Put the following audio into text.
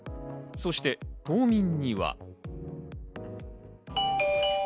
そして島民には。